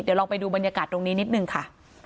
เดี๋ยวลองไปดูบรรยากาศตรงนี้นิดนึงค่ะ